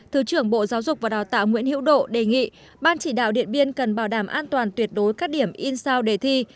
thứ trưởng bộ giáo dục và đào tạo nguyễn hữu độ đề nghị ban chỉ đạo điện biên cần bảo đảm an toàn tuyệt đối các điểm in sao đề thi